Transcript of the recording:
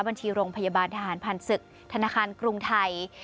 บัญชีโรงพยาบาลทหารผ่านศึกธนาคารกรุงไทย